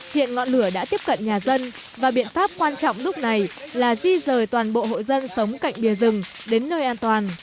hiện ngọn lửa đã tiếp cận nhà dân và biện pháp quan trọng lúc này là di rời toàn bộ hộ dân sống cạnh bìa rừng đến nơi an toàn